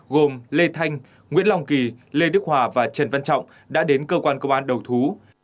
gồm lê thanh nguyễn long kỳ lê đức hòa và trần văn trọng đã đến cơ quan công an đầu thú